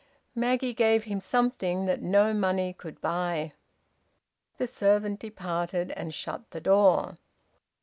Maggie gave him something that no money could buy. The servant departed and shut the door.